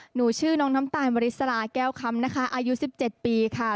หนูชื่อน้องน้ำตาลมริสลาแก้วคำนะคะอายุ๑๗ปีค่ะ